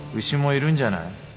牛もいるんじゃない？